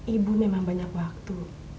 ibu memang banyak waktu